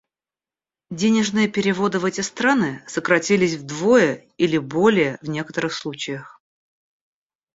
Денежные переводы в эти страны сократились вдвое или более в некоторых случаях.